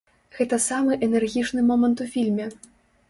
Гэта самы энергічны момант у фільме.